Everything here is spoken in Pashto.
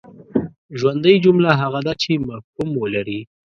ژوندۍ جمله هغه ده چي مفهوم ولري.